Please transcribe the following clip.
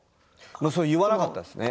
言わなかったですね